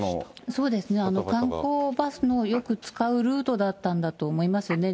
そうですね、観光バスのよく使うルートだったんだと思いますよね。